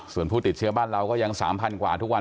ส่วนผู้ติดเชื้อบ้านเราก็ยัง๓๐๐กว่าทุกวัน